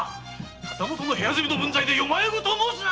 旗本の部屋住みの分際で世迷言を申すな！